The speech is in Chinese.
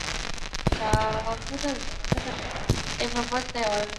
萧摹之和堂兄北兖州刺史萧源之都很看重同出兰陵萧氏的萧承之。